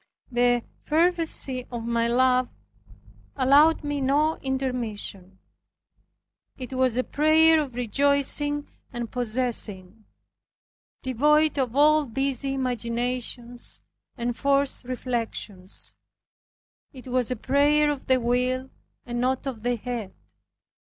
The fervency of my love allowed me no intermission. It was a prayer of rejoicing and possessing, devoid of all busy imaginations and forced reflections; it was a prayer of the will, and not of the head.